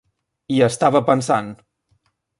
Hi estava pensant.